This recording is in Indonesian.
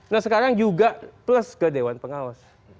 nah sekarang juga plus ke dewan pengawas